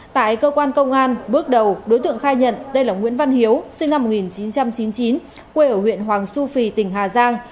tại cơ quan công an bước đầu đối tượng khai nhận đây là nguyễn văn hiếu sinh năm một nghìn chín trăm chín mươi chín quê ở huyện hoàng su phi tỉnh hà giang